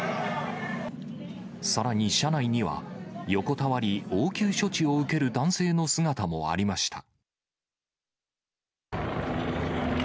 さらに車内には、横たわり応急処置を受ける男性の姿もありました。